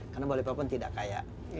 karena balikpapan tidak kaya